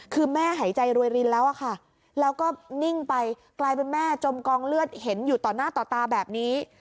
คือแม่หายใจรวยรินแล้วอะค่ะแล้วก็นิ่งไปกลายเป็นแม่จมกองเลือดเห็นอยู่ต่อหน้าต่อตาแบบนี้